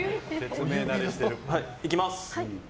いきます。